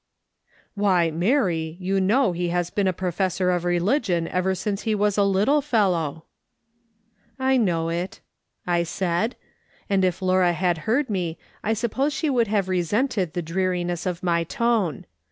" "Why, Mary, you know he has been a professor of religion ever since he was a little fellow !"" I know it," I said, and if Laura had heard me I suppose she would have resented the dreariness of my tone.